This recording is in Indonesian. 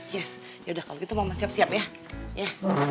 yaudah kalo gitu mama siap siap ya